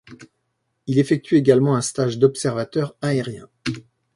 Il effectue également un stage d'observateur aérien.